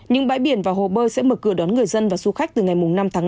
những bãi biển và hồ bơi sẽ mở cửa đón người dân và du khách từ ngày năm tháng năm